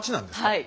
はい。